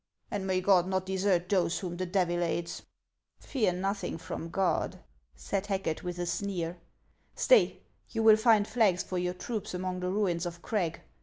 " And may God not desert those whom the Devil aids !"" Fear nothing from God," said Racket, with a sneer. " Stay ; you will find flags for your troops among the ruins of Crag.